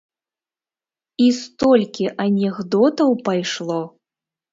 І столькі анекдотаў пайшло!